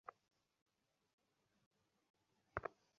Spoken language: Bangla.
কারণ মুভি এখনও শেষ হয়নি, আমার দোস।